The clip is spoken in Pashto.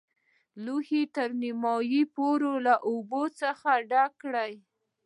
لوښی تر نیمايي پورې له اوبو څخه ډک کړئ.